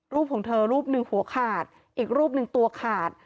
ของเธอรูปหนึ่งหัวขาดอีกรูปหนึ่งตัวขาด